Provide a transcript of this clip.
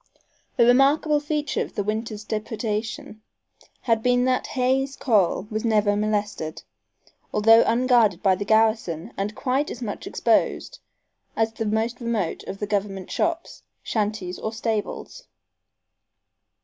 A remarkable feature of the winter's depredation had been that Hay's corral was never molested, although unguarded by the garrison and quite as much exposed as the most remote of the government shops, shanties or stables.